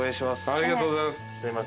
ありがとうございます。